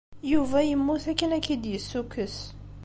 Yuba yemmut akken ad k-id-yessukkes.